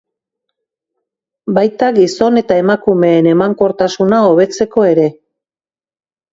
Baita gizon eta emakumeen emankortasuna hobetzeko ere.